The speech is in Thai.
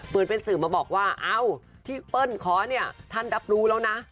เป็นสื่อมาบอกว่าเอ้าที่เปิ้ลขอเนี่ยท่านรับรู้แล้วนะ